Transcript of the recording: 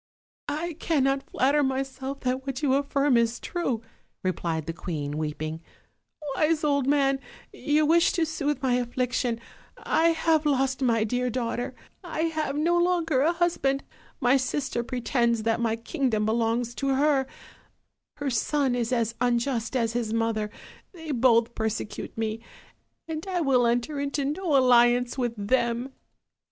"I cannot flatter myself that what you affirm is true,'* replied the queen, weeping; "wise old man, you wish to soothe my affliction: I have lost my dear daughter, I have no longer a husband, my sister pretends that my kingdom belongs to her; her son is as unjust as his mother, they both persecute me, and I will enter into no alliance with them."